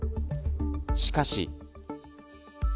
しかし。